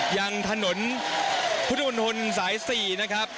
ยังถนนพุทธมนตรสาย๔นะครับ